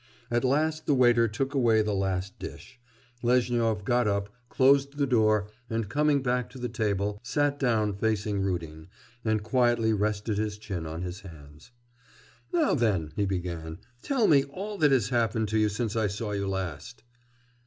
At last the waiter took away the last dish, Lezhnyov got up, closed the door, and coming back to the table, sat down facing Rudin, and quietly rested his chin on his hands. 'Now, then,' he began, 'tell me all that has happened to you since I saw you last.